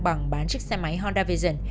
bằng bán chiếc xe máy honda vision